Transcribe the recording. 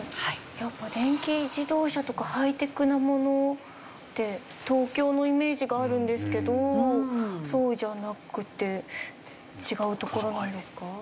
やっぱ電気自動車とかハイテクなものって東京のイメージがあるんですけどそうじゃなくて違う所なんですか？